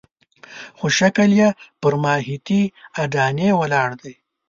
خو شکل یې پر ماهیتي اډانې ولاړ دی.